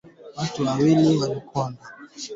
Watu wanajaribu kuondoka nchini kabla ya uchaguzi